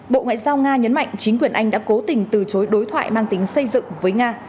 bộ ngoại giao nga nhấn mạnh chính quyền anh đã cố tình từ chối đối thoại mang tính xây dựng với nga